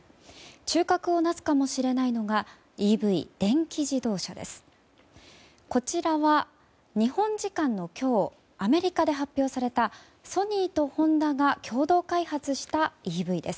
中核をなすかもしれないのがＥＶ・電気自動車です。